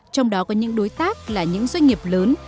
trong đó có những đối tác là những doanh nghiệp lớn